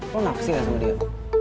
lu naksir gak sama dia